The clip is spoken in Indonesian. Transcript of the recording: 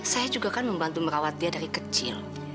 saya juga kan membantu merawat dia dari kecil